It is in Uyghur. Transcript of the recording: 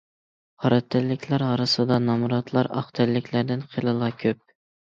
قارا تەنلىكلەر ئارىسىدا نامراتلار ئاق تەنلىكلەردىن خېلىلا كۆپ.